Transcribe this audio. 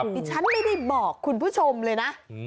ดิฉันไม่ได้บอกคุณผู้ชมเลยนะ